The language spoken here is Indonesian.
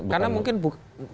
bukan fakta hukum